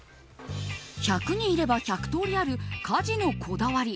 １００人いれば１００通りある家事のこだわり。